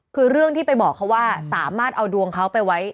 คือเรื่องที่ไปบอกเขาว่าสามารถเอาดวงเขาไปไว้